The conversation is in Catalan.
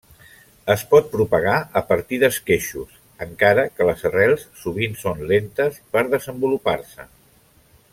Es pot propagar a partir d'esqueixos, encara que les arrels sovint són lentes per desenvolupar-se.